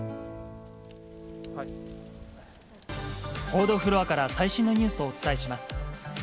報道フロアから最新のニュースをお伝えします。